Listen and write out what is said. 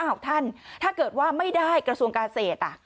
อ้าวท่านถ้าเกิดว่าไม่ได้กระทรวงเกษตรอ่ะ